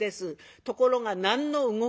ところが何の動きもない。